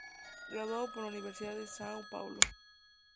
Graduado por la Universidad de São Paulo.